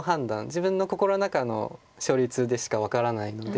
自分の心の中の勝率でしか分からないので。